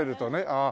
ああ。